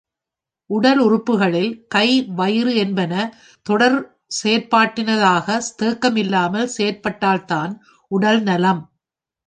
உடலுறுப்புக்களில் கை, வயிறு என்பன தொடர் செயற்பாட்டினதாகத் தேக்கமில்லாமல் செயற் பட்டால்தான் உடல் நலம்.